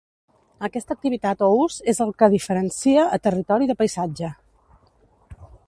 Aquesta activitat o ús és el que diferencia a territori de paisatge.